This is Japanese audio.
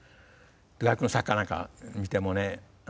外国の作家なんか見てもね